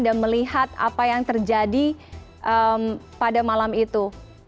dan melihat apa yang terjadi pada malam itu